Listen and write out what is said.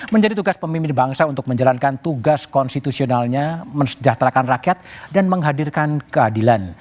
menjadi tugas pemimpin bangsa untuk menjalankan tugas konstitusionalnya mensejahterakan rakyat dan menghadirkan keadilan